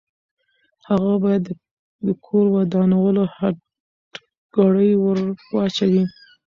هغه باید د کور ودانولو هتکړۍ ورواچوي.